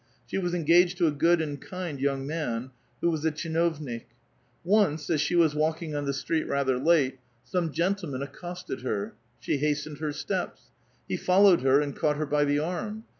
She was engaged to a good and kind young man, who was a tchinovnik. Once, as she was walking on the street rather late, some gentleman accosted her. She hastened her steps. He followed her, and caught her by the arm.